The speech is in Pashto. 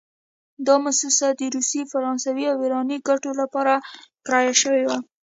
دا موسسه د روسي، فرانسوي او ایراني ګټو لپاره کرایه شوې وه.